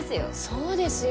そうですよ。